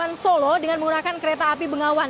kawasan solo dengan menggunakan kereta api bengawan